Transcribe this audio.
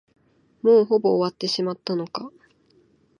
もうほぼ終わってしまったのか。